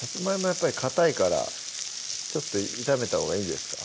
やっぱりかたいから炒めたほうがいいんですか？